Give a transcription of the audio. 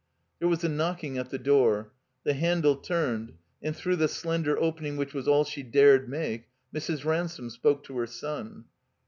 There was a knocking at the door. The handle turned, and through the slender opening which was all she dared make, Mrs. Ransome spoke to her son.